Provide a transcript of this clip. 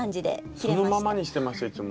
そのままにしてましたいつも。